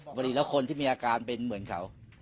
แบบเพราะคนที่มีอาการเหมือนเเต๋า